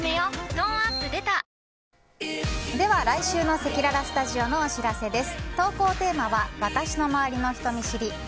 トーンアップ出た来週のせきららスタジオのお知らせです。